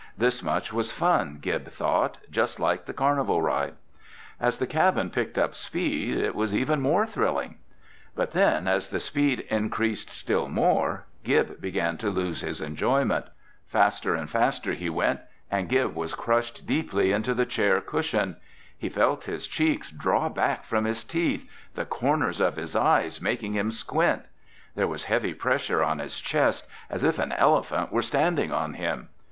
This much was fun, Gib thought, just like the carnival ride. As the cabin picked up speed, it was even more thrilling. But then as the speed increased still more, Gib began to lose his enjoyment. Faster and faster he went, and Gib was crushed deeply into the chair cushion. He felt his cheeks draw back from his teeth, the corners of his eyes making him squint. There was heavy pressure on his chest, as if an elephant were standing on him.